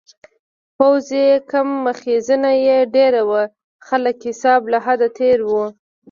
پوځ یې کم میخزن یې ډیر و-خلکه حساب له حده تېر و